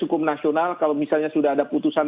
hukum nasional kalau misalnya sudah ada putusan